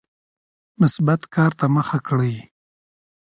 مثبت کار ته مخه کړئ.